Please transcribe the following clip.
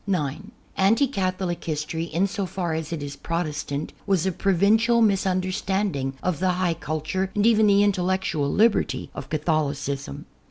(9) Anti Catholic history, in so far as it is Protestant . was a provincial misunderstanding of the high culture and even the intellectual liberty of Catholicism.